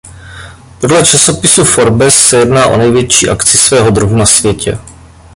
Podle časopisu "Forbes" se jedná o největší akci svého druhu na světě.